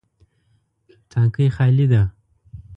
تانکی خالي ده